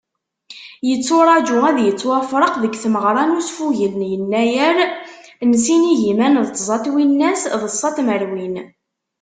Yetturaǧu ad yettwafraq deg tmeɣra n usfugel n yennayer n sin igiman d tẓa twinas d ṣa tmerwin.